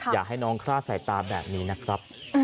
อยากให้น้องคลาดสายตาแบบนี้นะครับ